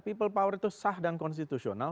people power itu sah dan konstitusional